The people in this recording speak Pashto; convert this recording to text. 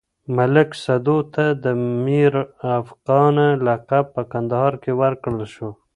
ملک سدو ته د ميرافغانه لقب په کندهار کې ورکړل شو.